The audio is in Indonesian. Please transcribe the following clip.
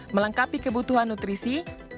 melengkapi kebutuhan nutrisi